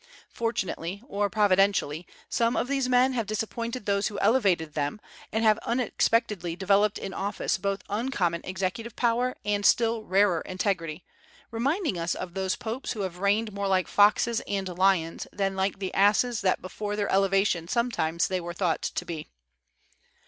Fortunately, or providentially, some of these men have disappointed those who elevated them, and have unexpectedly developed in office both uncommon executive power and still rarer integrity, reminding us of those popes who have reigned more like foxes and lions than like the asses that before their elevation sometimes they were thought to be.